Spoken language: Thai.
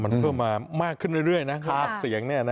มันเพิ่มมามากขึ้นเรื่อยนะคือออกเสียงเนี่ยนะ